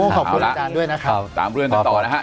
ขอบคุณอาจารย์ด้วยนะครับตามเรื่องกันต่อนะฮะ